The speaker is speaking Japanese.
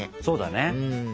そうだね。